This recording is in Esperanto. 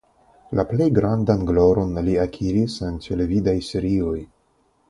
La plej grandan gloron li akiris en televidaj serioj.